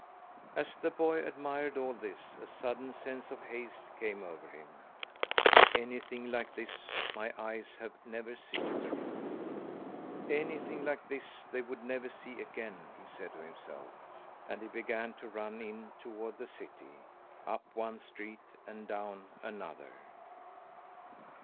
As the boy admired all this, a sudden sense of haste came over him. "Anything like this my eyes have never seen before. Anything like this, they would never see again," he said to himself. And he began to run in toward the city up one street, and down another.